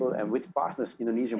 dan dengan pasangan indonesia